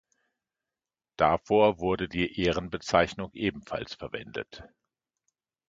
Davor wurde die Ehrenbezeichnung ebenfalls verwendet.